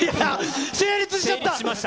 成立しちゃった！